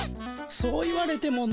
そう言われてもの。